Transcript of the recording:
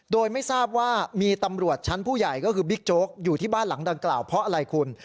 โดยไม่ทราบว่ามีตำรวจชั้นผู้ใหญ่ก็คือบิ๊กโจ๊กอยู่ที่บ้านหลังดังกล่าวเพราะอะไรคุณ